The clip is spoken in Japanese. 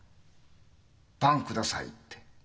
「パン下さい」って。